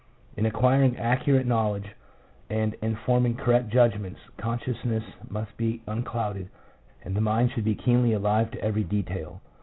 In acquiring accurate knowledge and in forming correct judgments, consciousness must be unclouded, and the mind should be keenly alive to every detail.